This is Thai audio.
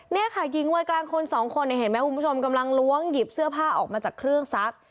นี่ค่ะหญิงวัยกลางคนสองคนเนี่ยเห็นไหมคุณผู้ชมกำลังล้วงหยิบเสื้อผ้าออกมาจากเครื่องซัก